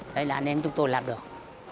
đây là anh em chúng tôi làm được